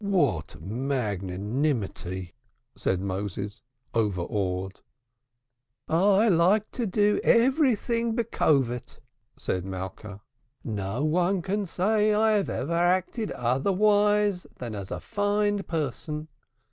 "What magnanimity," said Moses overawed. "I like to do everything with decorum," said Malka. "No one can say I have ever acted otherwise than as a fine person.